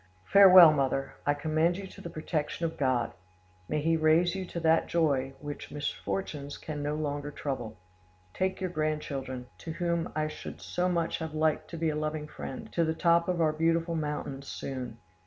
Farewell, mother: I commend you to the protection of God; may He raise you to that joy which misfortunes can no longer trouble! Take your grandchildren, to whom I should so much have liked to be a loving friend, to the top of our beautiful mountains soon.